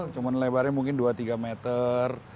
cuma lebarnya mungkin dua tiga meter